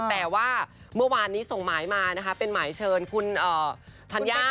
แต่ว่าเมื่อวานนี้ส่งหมายมานะคะเป็นหมายเชิญคุณธัญญา